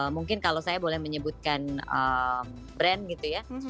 mungkin kalau saya boleh menyebutkan brand gitu ya